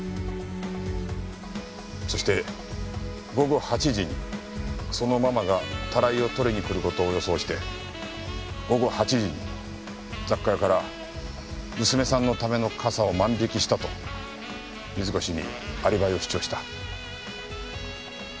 そして午後８時にそのママがたらいを取りに来る事を予想して午後８時に雑貨屋から娘さんのための傘を万引きしたと水越にアリバイを主張した。